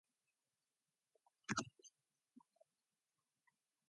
For example, a stable angina causes chest pain that goes away when at rest.